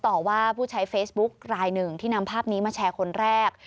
ต่อว่าผู้ใช้เฟซบุ๊คลายหนึ่งที่นำภาพนี้มาแชร์คนแรก